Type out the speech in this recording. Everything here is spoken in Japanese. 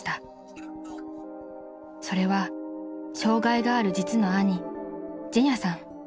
［それは障がいがある実の兄ジェニャさん］